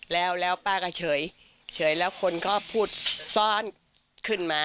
แล้วป้าก็เฉยแล้วคนก็พูดซ่อนขึ้นมา